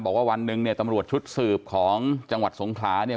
วันหนึ่งเนี่ยตำรวจชุดสืบของจังหวัดสงขลาเนี่ย